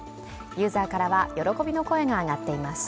ユーザーからは喜びの声が上がっています。